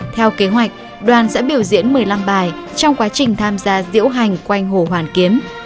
theo kế hoạch đoàn sẽ biểu diễn một mươi năm bài trong quá trình tham gia diễu hành quanh hồ hoàn kiếm